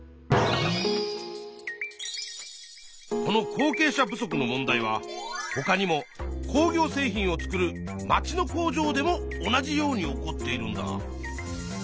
この後継者不足の問題はほかにも工業製品を作る町の工場でも同じように起こっているんだ。